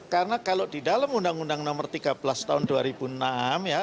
karena kalau di dalam undang undang nomor tiga belas tahun dua ribu enam ya